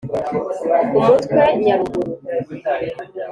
umutwe : nyaruguru